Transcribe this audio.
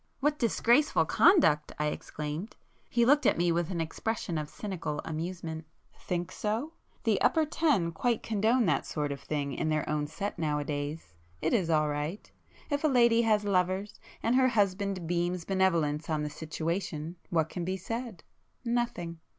"What disgraceful conduct!" I exclaimed. He looked at me with an expression of cynical amusement. "Think so? The 'upper ten' quite condone that sort of thing in their own set now a days. It is all right. If a lady has lovers, and her husband beams benevolence on the situation what can be said? Nothing.